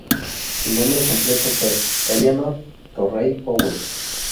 Su nombre completo fue Eleanor Torrey Powell.